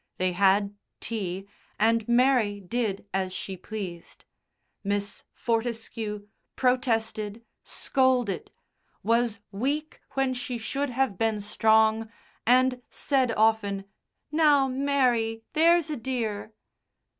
They had tea, and Mary did as she pleased. Miss Fortescue protested, scolded, was weak when she should have been strong, and said often, "Now, Mary, there's a dear."